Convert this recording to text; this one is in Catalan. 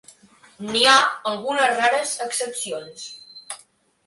N'hi ha algunes rares excepcions.